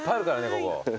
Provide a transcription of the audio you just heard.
ここ。